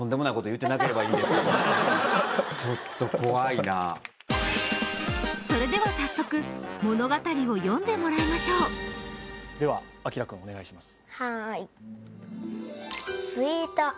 ちょっと怖いなそれでは早速物語を読んでもらいましょうではアキラくんお願いします